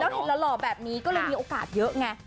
เห็นหล่อแบบนี้ก็เลยมีโอกาสเยอะไง